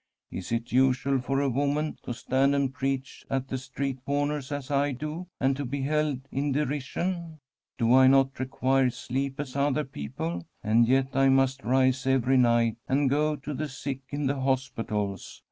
Is it usual for a woman to stand and preach at the street comers as I do, and to be held in derision ? Do I not require sleep as other peo ple ? And yet I must rise every night and go to the sick in the hospitals.